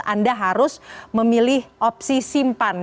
anda harus memilih opsi simpan